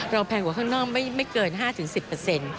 แพงกว่าข้างนอกไม่เกิน๕๑๐